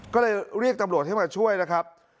ก็เลยเรียกตำรวจให้มาช่วยนะครับ